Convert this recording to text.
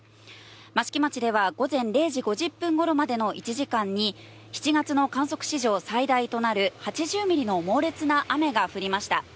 益城町では午前０時５０分ごろまでの１時間に、７月の観測史上最大となる８０ミリの猛烈な雨が降りました。